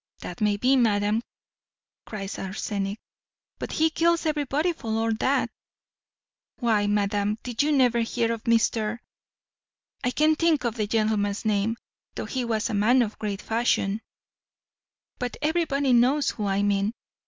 "That may be, madam," cries Arsenic; "but he kills everybody for all that why, madam, did you never hear of Mr. ? I can't think of the gentleman's name, though he was a man of great fashion; but everybody knows whom I mean."